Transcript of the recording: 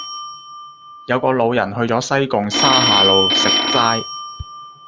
有個老人去左西貢沙下路食齋